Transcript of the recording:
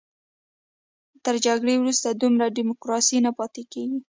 تر جګړې وروسته دومره ډیموکراسي نه پاتې کېږي.